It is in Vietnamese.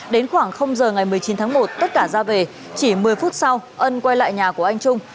đến khoảng giờ ngày một mươi chín tháng một tất cả ra về chỉ một mươi phút sau ân quay lại nhà của anh trung